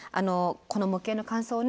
この模型の感想をね